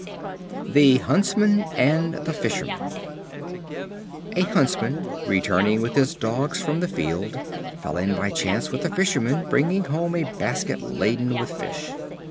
The Huntsman and the Fisherman. A Huntsman, returning with his dogs from the field, fell in by chance with a Fisherman, bringing home a basket laden with fish.